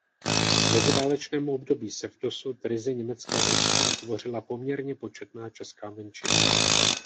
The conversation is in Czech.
V meziválečném období se v dosud ryze německé obci utvořila poměrně početná česká menšina.